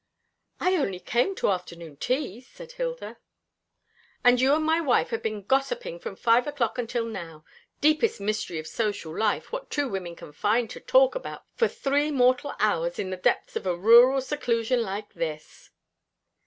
"I only came to afternoon tea," said Hilda. "And you and my wife have been gossiping from five o'clock until now. Deepest mystery of social life, what two women can find to talk about for three mortal hours in the depths of a rural seclusion like this!"